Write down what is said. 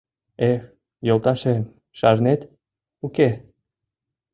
Эх, йолташем, шарнет, уке